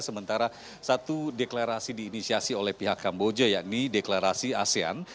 sementara satu deklarasi diinisiasi oleh pihak kamboja yakni deklarasi asean